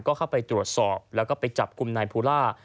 ก็เข้าไปตรวจสอบแล้วก็ไปจับกลุ่มนายภูล่า